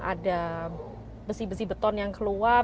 ada besi besi beton yang keluar